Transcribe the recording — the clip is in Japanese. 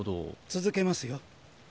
続けますよ。